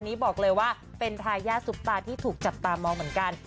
นี้บอกเลยว่าเป็นทายาทซุปตาที่ถูกจับตามองเหมือนกัน